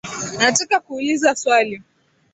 Nataka kuuliza swali.